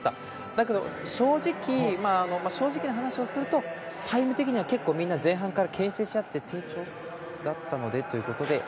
だけど、正直な話をするとタイム的には前半から牽制し合って低調だったのでということで。